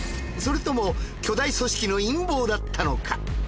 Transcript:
それとも巨大組織の陰謀だったのか？